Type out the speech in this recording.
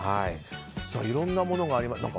いろんなものがありましたね。